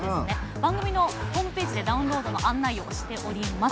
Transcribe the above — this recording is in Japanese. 番組ホームページでダウンロードの案内をしております。